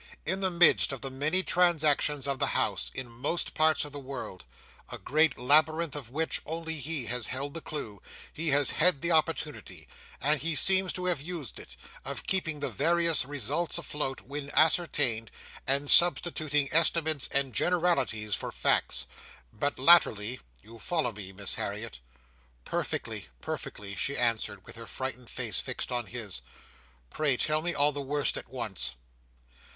In the midst of the many transactions of the House, in most parts of the world: a great labyrinth of which only he has held the clue: he has had the opportunity, and he seems to have used it, of keeping the various results afloat, when ascertained, and substituting estimates and generalities for facts. But latterly—you follow me, Miss Harriet?" "Perfectly, perfectly," she answered, with her frightened face fixed on his. "Pray tell me all the worst at once."